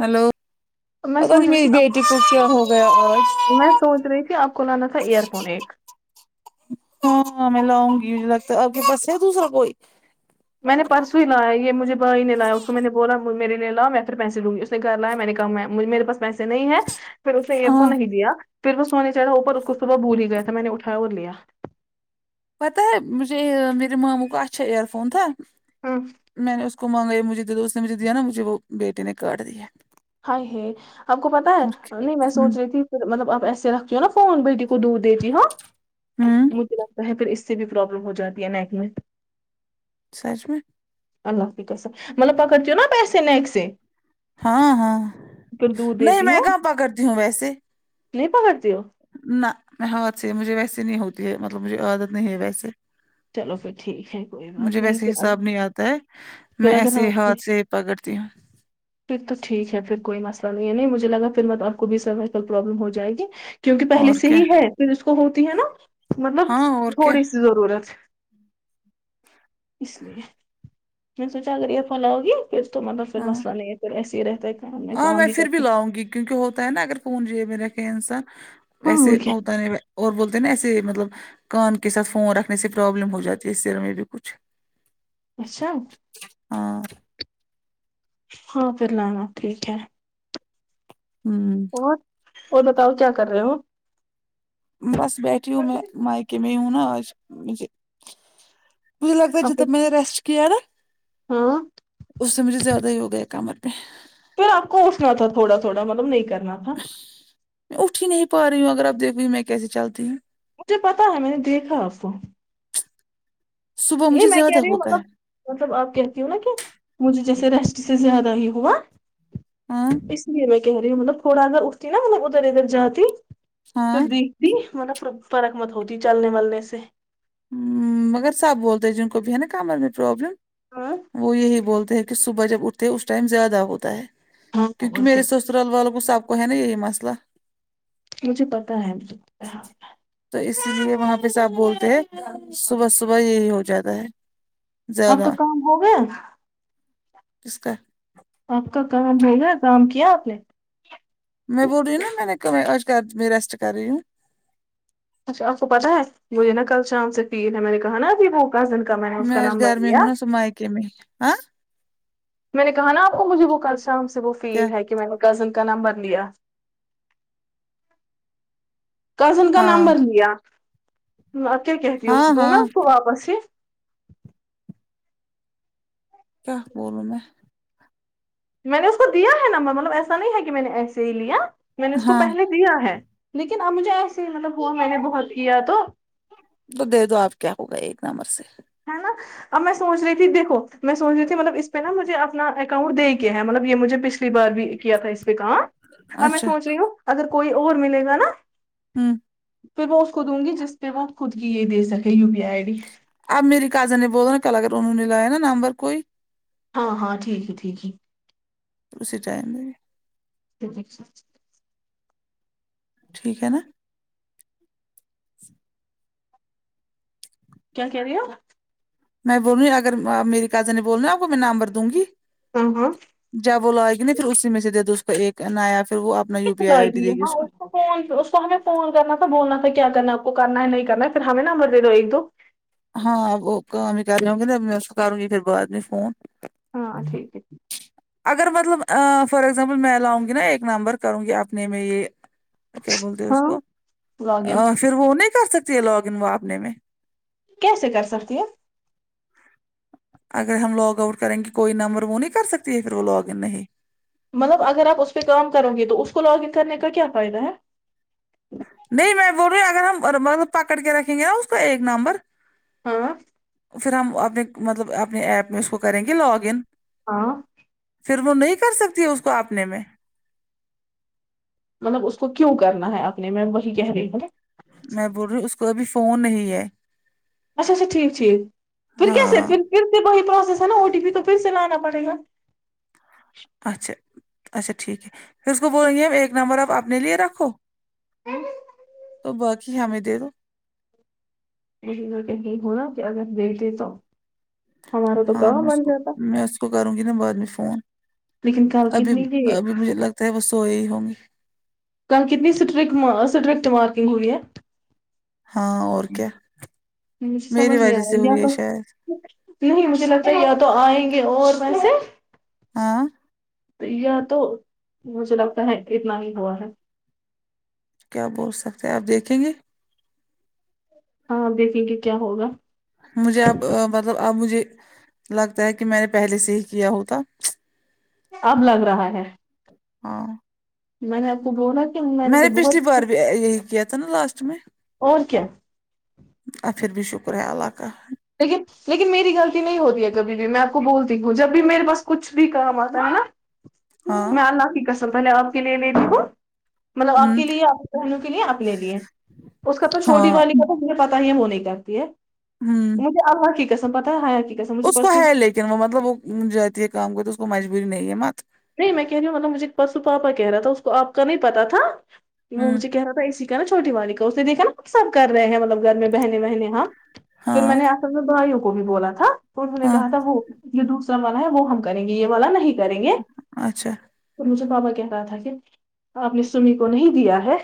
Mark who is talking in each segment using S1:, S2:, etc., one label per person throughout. S1: hello
S2: میں
S1: پتا
S2: سوچ
S1: نہیں
S2: رہی
S1: میری
S2: تھی آپ
S1: بیٹی کو کیا ہو گیا آج
S2: میں سوچ رہی تھی آپ کو لانا تھا ایئر فون ایک
S1: ہاں میں لاؤں گی ا لگ اپ کے پاس ہے دوسرا کوئی
S2: میں نے پرسوں ہی لایا یہ مجھے بھائی نہیں لایا اس کو میں نے بولا میرے لیا میں تمہے پیسے دونگی گھر لایا میں نے کہاے میرے پاس پیسے نہیں ہے پھر اس نے ایئرف
S1: ہاں
S2: نہیں دیا پھر وہ سونے چاہ رہ تھا اوپر اس کو صبح بھول ہی گیا تھا میں نے اٹھیا اور لیا
S1: پتہ ہے مجھے میرے ماموں کو اچھا ایئر فون تھا
S2: ہاں
S1: میں نے اس کو مانگا مجھے دو اس نے مجھے دیا نا مجھے وہ ب بیٹے نے کاٹ دییا ہے
S2: ہائے ہے آپ کو پتا ہے نہیں میں سوچ رہی تھی پھر مطلب آپ ایسے رکھتی ہو نا فون بیٹی کو دودھ دیتی ہ
S1: ہوں
S2: وہ رکھتا ہے پھر اس سے بھی پرابلم ہو جاتی ہے نیک میں
S1: سچ میں
S2: اللہ کی کسم مطلب پخڑ چیو نا پیسے نیکسے
S1: ہاں ہاں
S2: دودھ
S1: نہیں
S2: دیتی
S1: میں
S2: ہو
S1: کہاں پکڑتی ہوں ویسے
S2: نہیں پکڑتی ہو
S1: نہ میں ہاتھ سے ہے مجھے ویسے نہیں ہوتی ہے مطلب مجھے عادت نہیں ہے ویسے
S2: چلو پھر ٹھیک ہے کوئی بات
S1: مجھے
S2: نہیں
S1: ویسے
S2: پھر اگر
S1: حساب نہیں آتا ہے
S2: پھر
S1: میں
S2: اگر ہاں
S1: ایسے ہاتھ سے پکڑتی ہوں
S2: پھر تو ٹھیک ہے پھر کوئی مسئلہ نہیں ہے نہیں مجھے لگا پھر آپ کو بھی سر کل پروابلم ہو جائے گی کیونکہ پہلے
S1: اور
S2: سے
S1: کیا
S2: ہی ہے پھر اسکو ہوتی ہے نا مطلب
S1: ہاں اور کیا
S2: تھوڑی سی ضرورت اس لیے میں نے سوچا اگر ایئر فون لاؤ گی پھر تو مطلب پھر
S1: ہاں
S2: مسئلہ نہیں ہے پھر ایسے ہی رہتا ہے کام میں کام بھی کرتا
S1: اؤگی کیونکہ ہوتا ہے نا اگر فون جب میں رکھے انسان
S2: ہاں اور
S1: ویسے
S2: کیا
S1: ہوتا نہیں اور بولتے ہیں نا ایسے مطلب کان کے ساتھ فون رکھنے سے پرابلم ہو جاتی ہے سر میں بھی کچھ
S2: اچھا
S1: ہاں
S2: ہاں پھر لانا ٹھیک ہے
S1: ہوں
S2: اور اور بتاؤ کیا کر رہے ہو
S1: بس بیٹھی ہوں میں مائکے میں ہی ہوں نا آج مجھے مجھے لگتا ہے جب
S2: آپ کو
S1: تک میں نے ریسٹ کیا نا
S2: ہاں
S1: اس سے مجھے زیادہ ہی ہوگیا کمر [inaudible]
S2: پھر آپ کو اٹھنا تھا تھوڑا تھوڑا مطلب نہیں کرنا تھا
S1: میں اٹھ ہی نہیں پا رہی ہوں اگر اب دیکھو میں کیسے چلتی ہوں
S2: مجھے پتا ہے میں نے دیکھا آپ کو
S1: صبح
S2: یہ
S1: مجھے
S2: میں کہہ
S1: زیادہ
S2: رہی ہوں
S1: ہوتا ہے
S2: مطلب مطلب آپ کہتی ہوں نا کہ مجھے جیسے ریسٹ سے زیادہ ہی ہوا
S1: ہاں
S2: اس لیے میں کہہ رہی ہوں مطلب تھوڑا اگر اٹھتی نا مطلب ادھر ادھر جاتی
S1: ہاں
S2: پردیکھتی مطلب فرق مت ہوتی چلنے ولنے سے
S1: ہ مگر سب بولتے ہیں جن کو بھی ہے نا کمر میں
S2: ہاں
S1: پروابلم وہ یہی بولتے ہیں کہ صبح جب اٹھتے اس ٹائم زیادہ ہوتا ہے
S2: ہاں
S1: کیونکہ
S2: اور
S1: میرے
S2: کیا
S1: سس سسرال والوں کو سب کو ہے نا یہی مسئلہ
S2: مجھے پتا ہےاں
S1: تو اس لیے وہاں پہ سب بولتے ہیں صبح صبح یہی ہو جاتا ہے
S2: آپ کا
S1: زیادہ
S2: کام ہو گیا
S1: کس کا
S2: آپ کا کام ہو گیا کام کیا آپ نے
S1: میں بول رہی ہو نا میں نے آج کا میں ریسٹ کر رہی ہوں
S2: اچھا آپ کو پتا ہے مجھے نا کل شام سے پیر ہے میں نے کہا نا ابھی وہ کذن کا میں نے اس کا
S1: میں گھر
S2: نمبر
S1: میں
S2: لیا
S1: ہونا سو میکے میں ہاں
S2: میں نے کہا نا آپ کو مجھے وہ کل شام سے وہ
S1: کیا
S2: فری ہے کہ میں نے کزن کا نمبر لیا کزن کا
S1: ہاں
S2: نمبر لیا آپ کیا کہتی ہو اس
S1: ہاں
S2: دوں گا
S1: ہاں
S2: آپ کو واپس سے
S1: کیا بولوں میں
S2: میں نے اس کو دیا ہے نا مطلب ایسا نہیں ہے کہ میں نے ایسے ہی لیا میں نے اس کو
S1: ہاں
S2: پہلے دیا ہے لیکن اب مجھے ایسے ہی مطلب وہ میں نے بہت کیا تو
S1: تو دے دو آپ کیا ہو گا ایک نمبر سے
S2: ہے نا اب میں سوچ رہی تھی دیکھو میں سوچ رہی تھی مطلب اس پہ نا مجھے اپنا اکاؤنٹ دے کے ہے مطلب یہ مجھے پچھلی بار بھی کیا تھا اس پہ کہاں اب میں
S1: اچھا
S2: سوچ رہی ہوں اگر کوئی اور ملے گا نا
S1: ہوں
S2: پھر میں اس کو دوں گی جس پہ وہ خود کی یہ دے سکےیو پی آئی ڈی
S1: آپ میری کازن نے بولو نا کلا کر انہوں نے لایا نا نمبر کوئی
S2: ہاں ہاں ٹھیک ہے ٹھیک ہے
S1: اسے جائیگی
S2: [unintelligible]
S1: ٹھیک ہے نا
S2: کیا کہہ رہی ہو
S1: میں بول رہوںی اگر میری کازن ہے بول رہ نا آپ کو میں نمبر دوں گی
S2: ہ ہاں
S1: جب وہ لائے گی نا پھر اسی میں سے دے د اس کو ایک نیا پھر وہ اپنا وہ
S2: گی یہ ہاں [unintelligible] فون اس کو ہمیں فون کرنا تھا بولنا تھا کیا کرنا کو کرنا ہے نہیں کرنا ہے پھر ہمیں نمبر دے دو ایک دو
S1: ہاں وہ کام ہی کر رہ ہوں گے نا میں اس کو کروں گی پھر بعد میں فون
S2: ہاں ٹھیک ہے
S1: اگر مطلب فار ایگزامپل میں لاؤں گی نا ایک نمبر کروں گی اپنے میں یہ کیا بولتے اس
S2: ہاں
S1: کو
S2: لاگ ان
S1: پھر وہ نہیں کر سکتی ہے لاگن وپنے میں
S2: کیس کر سکتی ہے
S1: اگر ہم لاگ آؤٹ کریں گے کوئی نمبر وہ نہیں کر سکتی ہے پھر وہ لاگ ان نہیں
S2: مطلب اگر آپ اس پہ کام کرو گے تو اس کو لاگ ان کرنے کا کیا فائدہ ہے
S1: نہیں میں بول رہی اگر ہم مطلب پکڑ کے رکھیں گے نا اس کا ایک نمبر
S2: ہاں
S1: پھر ہم اپنے مطلب اپنے ایپ میں اس کو کریں گے لاگ ان
S2: ہاں
S1: پھر وہ نہیں کر سکتی اس کو اپنے میں
S2: مطلب اس کو کیوں کرنا ہے اپنے میں وہی کہہ رہی ہیں نا
S1: میں بول رہی ہوں اس کو ابھی فون نہیں ہے
S2: اچھا اچھا ٹھیک ٹھیک پھر کیا س
S1: ہاں
S2: سے پھر پھر سے پوسیس ہے نا او ٹی پی تو پھر سے لانا پڑے گا
S1: اچھا اچھا ٹھیک ہے اس کو بولے گے ایک نمبر آپ اپنے لیے رکھو تو باقی ہمیں دے دو
S2: ادھر کہ نہیں ہوناا کہ اگر دیکھتے تو ہمارا تو
S1: ہاں
S2: کام
S1: میں اس
S2: من
S1: کو
S2: جاتا
S1: میں اس کو کروں گی نا بعد میں فون
S2: لیکن کل
S1: ابھی
S2: کتنی دیر
S1: ابھی مجھے لگتا ہے وہ سوئے ہی ہوں گی
S2: کل کتنی سٹرٹ اسٹرکٹ مارکنگ ہوئی ہے
S1: ہاں اور کیا
S2: مجھے
S1: میری
S2: سمجھ نہیں آ
S1: وجہ سے
S2: رہا یا
S1: ہوئی ہے
S2: تو
S1: شاید
S2: نہیں مجھے لگتا ہے یا تو آئیں گے اور ویسے
S1: ہاں
S2: یہ تو مجھے لگتا ہے اتنا ہی ہوا ہے
S1: کیا بول سکتے ہیں آپ دیکھیں گے
S2: ہاں دیکھیں گے کیا ہوگا
S1: مجھے اب مطلب آب مجھے لگتا ہے کہ میں نے پہلے سے ہی کیا ہوتا
S2: اب لگ رہا ہے
S1: ہاں
S2: میں نے آپ کو بولا ت
S1: میں نے پچھلی بار بھی یہی کیا تھا نا لاسٹ میں
S2: اور کیا
S1: آ پھر بھی شکر ہے اللہ کا
S2: لیکن لیکن میری غلطی نہیں ہوتی ہے کبھی بھی میں آپ کو بولتی ہوں جب بھی میرے پاس کچھ بھی کام آتا ہے نا
S1: ہاں
S2: میں اللہ کی کسم پہلے آپ کے لیے ل د ہوں مطلب آپ
S1: ہوں
S2: کے لیے آپ کی بہنوں کے لیے اپپنےے لیے اس کا تو چھوٹی
S1: ہاں
S2: والی مجھے پتا ہی ہے وہ نہیں کرتی ہے
S1: ہوں
S2: مجھے اللہ کی قسم پتا ہے حیا کی قسم مجھے
S1: اس کو
S2: پرس
S1: ہے لیکن وہ مطلب وہ جتی یہ کام کرئی تو اس کو مجبوری نہیں ہے مت
S2: نہیں میں کہہ رہی ہوں مطلب مجھے پرسوں پاپا کہہ رہا تھا اس کو آپ کا نہیں پتا تھا کہ وہ
S1: ہوں
S2: مجھے کہہ رہ تھا اسی نا چھوٹی والی کا اس نے دیکھا نا سب کرے ہیں مطلب گھر میں ببہنیں وہنئیں ہاں پھر
S1: ہاں
S2: میں نے اصل میں بھائیوں کو بھی بولا تھا تو انہوں نے
S1: ہاں
S2: کہا تھا وہ یہ دوسر والا ہے وہ ہم کریں گے یہ والا نہیں کریں گے
S1: اچھا
S2: اور مجھے پابا کہہ رہا تھا کہ آپ نے سومی کو نہیں دیا ہے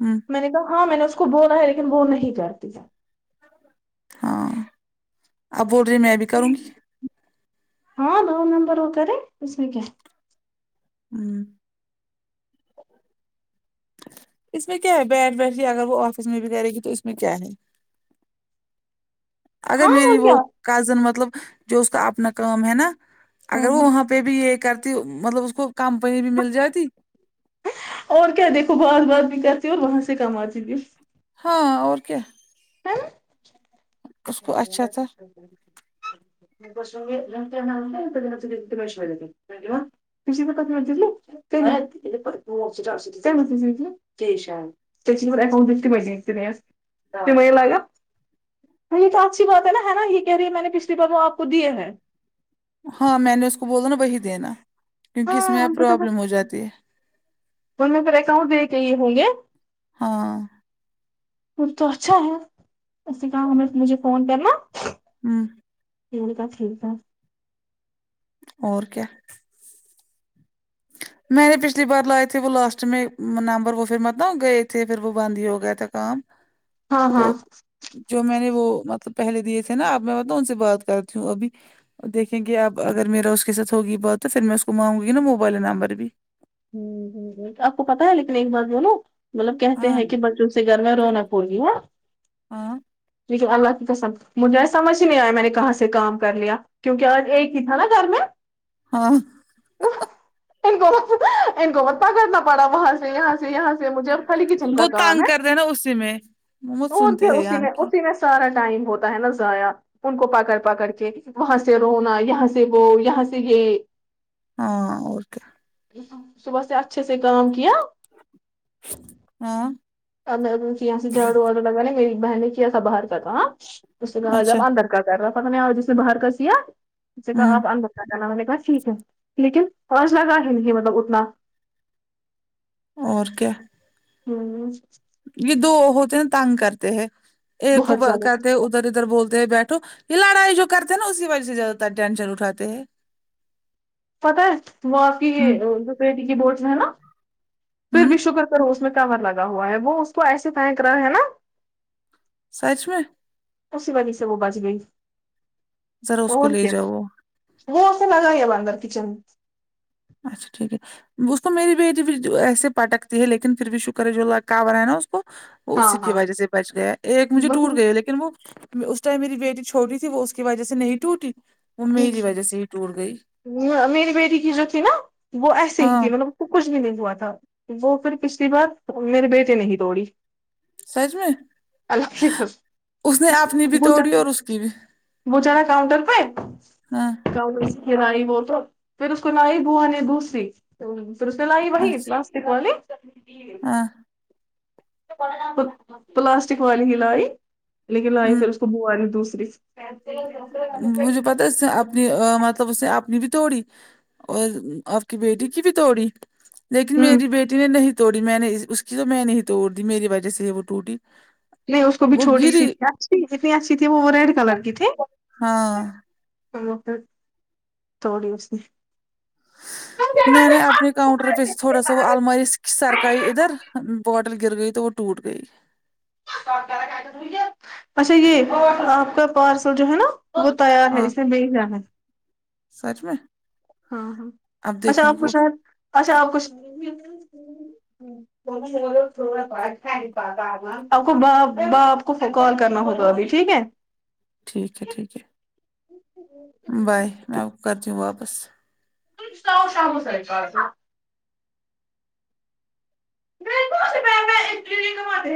S1: وں
S2: میں نے کہا ہاں میں نے اس کو بولا ہے لیکن وہ نہیں کرتی
S1: ہاں اب بول رہی میں بھی
S2: ہے
S1: کروں گی
S2: ہاں دو نمبر ہو کرے اس میں کیا
S1: ہوں اس میں کیا ہے بیٹ ویٹ کے اگر وہ آفس میں بھی کرے گی تو اس میں کیا ہے اگر
S2: ہاں
S1: میری
S2: اور
S1: وہ
S2: کیا
S1: کزن مطلب جو اس کا اپنا کام ہے نا اگر
S2: ہاں
S1: وہ
S2: ہاں
S1: وہاں پہ بھی یہ کرتی مطلب اس کو کمپنی بھی مل جاتی
S2: اور کیا دیکھو بات بات بھی کرتی اور وہاں سے کماتی بھی
S1: ہاں اور کیا
S2: [unintelligible]
S1: اس کو اچھا تھا
S2: ہے نہ [unintelligible] [unintelligible] [unintelligible] [unintelligible] یہ تو اچھی بات ہے نا ہے نا یہ کہے رہی ہے میں نے پچھلی بار وہ آپ کو دیے ہیں
S1: ہاں میں نے اس کو بولا نا وہی دینا کیونکہ اس
S2: ہاں
S1: میں اب
S2: ان کو تو
S1: پرابلم ہو جاتی ہے
S2: ان میں پھر اکاؤنٹ دے کے یہ ہوں گے
S1: ہاں
S2: وہ تو اچھا ہے اسے کام ہوگا تو مجھے فون کرنا
S1: ہوں
S2: میں نے کہا ٹھیک ہے
S1: اور کیا میں نے پچھلی بار لائے تھے وہ لاسٹ میں نمبر وہ پھر مت نہ گئے تھے پھر وہ بند ہی ہو گیا تھا کام
S2: ہاں
S1: تو
S2: ہاں
S1: جو میں نے وہ مطلب پہلے دیے تھے نا اب میں ان سے بات کرتی ہوں ابھی دیکھیں گے اب اگر میرا اس کے ساتھ ہوگی بات تو پھر میں اس کو مانگوں گی نا موبائل نمبر بھی
S2: ہوں ہوں ہوں یہ آپ کو پتا ہے لیکن ایک بات بولو مطلب کہتے
S1: ہاں
S2: ہیں کہ بچوں سے گھر میں رونق پونی ہے
S1: ہاں
S2: لیکن اللہ کی قسم مجھے سمجھ نہیں آیا میں نے کہاں سے کام کر لیا کیونکہ آج ایک ہی تھا نا گھر میں
S1: ہاں
S2: ان کو ان کو پتہ کرنا پڑا وہاں سے یہاں سے یہاں سے مجھے خالی کچن کا
S1: وہ
S2: کام
S1: تنگ
S2: ہے
S1: کر رہے ہیں نا اسی میں مت
S2: اور
S1: سنتی
S2: کیا اسی میں اسی میں سارا ٹائم ہوتا ہے نا ضائع ان کو پکڑ پکڑ کے وہاں سے رونا یہاں سے وہ یہاں سے یہ
S1: ہاں اور کیا
S2: صبح سے اچھے سے کام کیا
S1: ہاں
S2: اب میں پوچھیں یہاں سے جھاڑو واڑو لگا ن میری بہن نے کیا تھا باہر کہ کام اس کہا آج
S1: اچھا
S2: آپ اندر کیا کر رہا پتا نہیں آج اسنے باہر کہ کیا اسنے کہا
S1: ہوں
S2: آپ اندر لنا میں نے کہا ٹھیک ہے لیکن پانچ لگا ہی نہیں ہے مطلب اتنا
S1: اور کیا
S2: ہوں
S1: یہ دو ہوتے ہیں تنگ کرتے ہیں ایک کو
S2: بہت زیادہ
S1: کہتے ہیں ادھر ادھر بول دے بیٹھو یہ لڑائی جو کرتے ہیں نا اس کی وجہ سے زیادہ تر ٹینشن اٹھاتے ہیں
S2: پتہ ہے وہ آپ کی
S1: ہوں
S2: یہ دو پریٹی کی بوٹس میں ہے نا پھر بھی
S1: ہوں
S2: شکر کرو اس میں کور لگا ہوا ہے وہ اس کو ایسی فینک رہا ہے نا
S1: سچ میں
S2: اسی وجہ سے وہ بچ گئی
S1: ذرا اس کو
S2: اور
S1: لے
S2: کیا
S1: جاؤ وہ
S2: وہ اسے لگا ہی اب اندر کچن
S1: اچھا ٹھیک ہے اس کو میری بیٹی بھی ایسے پٹکتی ہے لیکن پھر بھی شکر ہے جو لڑکا بنایا ہے نا اس کو وہ اسی
S2: ہاں
S1: کی
S2: ہاں
S1: وجہ سے بچ گیا ایک مجھے ٹوٹ
S2: بہت-
S1: گئی لیکن وہ اس ٹائم میری بیٹی چھوٹی تھی وہ اس کی وجہ سے نہیں ٹوٹی وہ میری وجہ سے ہی ٹوٹ گئی
S2: میری بیٹی کی جو تھی نا وہ ایسے ہی
S1: ہاں
S2: تھی مطلب تو کچھ بھی نہیں ہوا تھا وہ پھر پچھلی بار میرے بیٹے نے توڑی
S1: سچ میں
S2: اللہ کی قسم
S1: اس نے اپنی بھی
S2: وہ
S1: توڑی
S2: چڑھا
S1: اور اس کی بھی
S2: وہ چڑھا کاؤنٹر پ
S1: ہاں
S2: کم اسائی وہول تو پھر اس کو لائی بہانے دوسری ہمم پھر اس نے لئی وہی
S1: اچھا
S2: پلاسٹک والی
S1: ہاں
S2: پلاسٹک والی ہی لائی لیکن لائی
S1: ہوں
S2: پھر اس کو بوو لی دوسری
S1: مجھے پتا ہے س اب اپنی مطلب اس نے اپنی بھی توڑی اور آپ کی بیٹی کی بھی توڑی لیکن
S2: ہوں
S1: میری بیٹی نے نہیں توڑی میں نے اس کی تو میں نہیں توڑ دی میری وجہ سے ہی وہ ٹوٹی
S2: نہیں اس کو بھی
S1: وہ
S2: چھوٹی سی
S1: گری
S2: [unintelligible] اتنی اچھی تھی وہ ریڈ کلر کی تھی
S1: ہاں
S2: ا [unintelligible] توڑی اس نے
S1: میں نے اپنے کاؤنٹر پہ سے تھوڑا سا وہ الماری سرکائی ادھر بوٹل گر گئی تو وہ ٹوٹ گئی
S2: اچھا یہ آپ کا پارسل جو ہے نا وہ تیار ہے
S1: ہاں
S2: اسے لیجانا ہے
S1: سچ میں
S2: ہاں ہاں
S1: اب
S2: اچھا
S1: دیکھیں گے
S2: آپکو
S1: وہ
S2: شاید اچھا آپکو ب آپ کو باپ باپ کو کال کرنا ہوگا ابھی ٹھیک ہے
S1: ٹھیک ہے ٹھیک ہے بائے میں آپکو کرتی ہو واپس
S2: [unintelligible] [inaudible]